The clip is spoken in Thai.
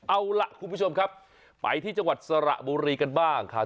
เอาล่ะคุณผู้ชมครับไปที่จังหวัดสระบุรีกันบ้างครับ